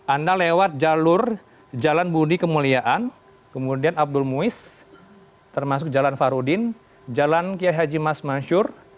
anda lewat jalur jalan budi kemuliaan kemudian abdul muiz termasuk jalan farudin jalan kiai haji mas mansur